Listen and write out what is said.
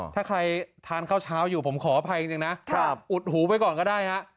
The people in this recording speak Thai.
ถ้าใครทานข้าวเช้าอยู่ผมขออภัยจริงนะอุดหูไปก่อนก็ได้ฮะ